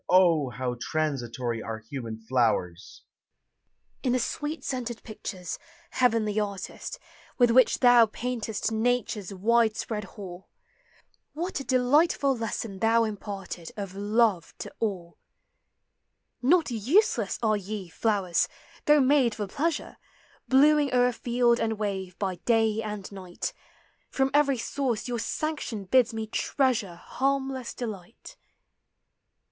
ah, how transitory Are human flowers ' In the sweet scented pictures, heavenlj artist, With which thou paintesl Nature's wide spi hall, What a delightful lesson thou imparted Of love to all ! 244 POEMS OF NATURE. Not useless are ye, flowers! though made for pleasure ; Blooming o'er field and wave, by day and night. From every source your sanction bids me treasure Harmless delight.